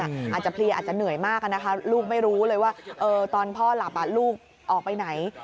อาจจะเพลียอาจจะเหนื่อยมากนะคะลูกไม่รู้เลยว่าตอนพ่อหลับลูกออกไปไหน